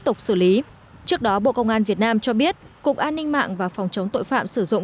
tục xử lý trước đó bộ công an việt nam cho biết cục an ninh mạng và phòng chống tội phạm sử dụng